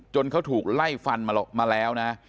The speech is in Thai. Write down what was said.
เขาถูกไล่ฟันมาแล้วนะ